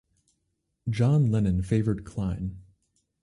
John Lennon favoured Klein.